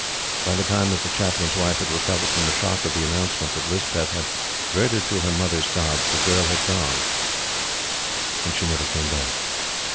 By the time that the Chaplain's wife had recovered from the shock of the announcement that Lispeth had 'verted to her mother's gods, the girl had gone; and she never came back.